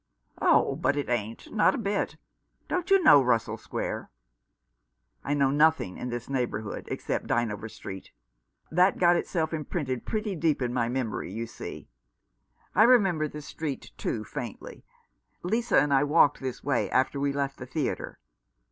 "Oh, but it ain't, not a bit. Don't you know Russell Square ?" "I know nothing in this neighbourhood, except Dynevor Street. That got itself imprinted pretty deep on my memory, you see. I remember this street, too, faintly. Lisa and I walked this way after we left the theatre.